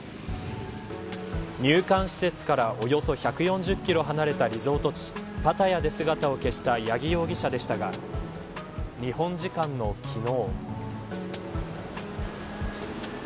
入管施設からおよそ１４０キロ離れたリゾート地パタヤで姿を消した八木容疑者でしたが日本時間の昨日。